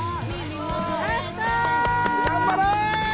頑張れ！